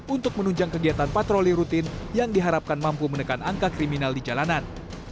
untuk menunjang kegiatan patroli rutin yang diharapkan mampu menekan angka kriminal di jalanan